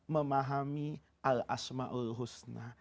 memahami al asma'ul husna